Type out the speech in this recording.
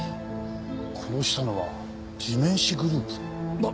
殺したのは地面師グループ。